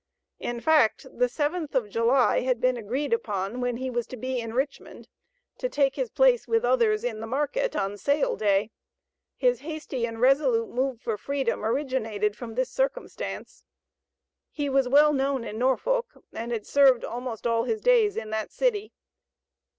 In fact the seventh of July had been agreed upon when he was to be in Richmond, to take his place with others in the market on sale day; his hasty and resolute move for freedom originated from this circumstance. He was well known in Norfolk, and had served almost all his days in that city.